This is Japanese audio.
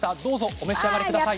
お召し上がりください。